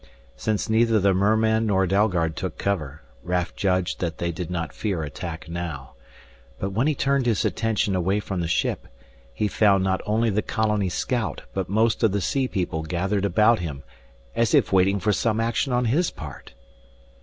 Since neither the merman nor Dalgard took cover, Raf judged that they did not fear attack now. But when he turned his attention away from the ship, he found not only the colony scout but most of the sea people gathered about him as if waiting for some action on his part.